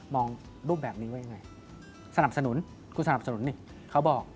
องรูปแบบนี้ว่ายังไงสนับสนุนคุณสนับสนุนนี่เขาบอก